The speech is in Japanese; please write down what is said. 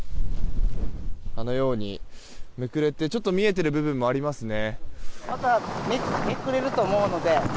あのようにめくれてちょっと見えている部分もありますね。